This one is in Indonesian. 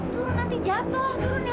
turun nanti jatuh turun ya